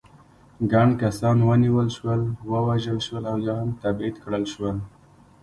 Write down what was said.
ګڼ کسان ونیول شول، ووژل شول او یا هم تبعید کړل شول.